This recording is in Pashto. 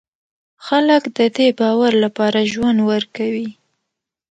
خلک د دې باور لپاره ژوند ورکوي.